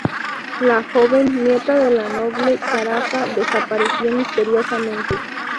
La joven, nieta de la noble Carafa, desapareció misteriosamente.